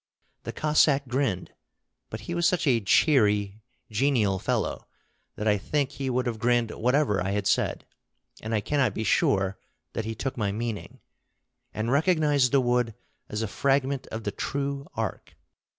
The Cossack grinned; but he was such a cheery, genial fellow that I think he would have grinned whatever I had said, and I cannot be sure that he took my meaning, and recognized the wood as a fragment of the true Ark.